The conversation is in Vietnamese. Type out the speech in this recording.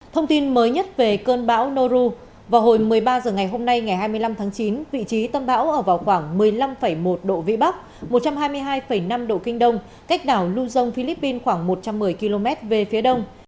thông tin mới nhất về cơn bão noro vào hồi một mươi ba h ngày hôm nay ngày hai mươi năm tháng chín vị trí tâm bão ở vào khoảng một mươi năm một độ vĩ bắc một trăm hai mươi hai năm độ kinh đông cách đảo luzon philippines khoảng một trăm một mươi km về phía đông